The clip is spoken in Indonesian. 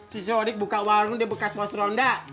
si sodi buka warung dia bekas paseronda